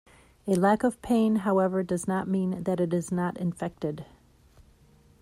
A lack of pain however does not mean that it is not infected.